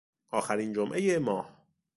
آخرین جمعهی ماه